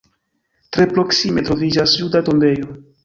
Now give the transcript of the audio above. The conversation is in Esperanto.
Tre proksime troviĝas juda tombejo.